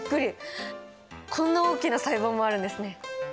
こんな大きな細胞もあるんですね！